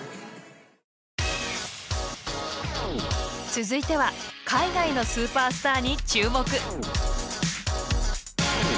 続いては海外のスーパースターに注目！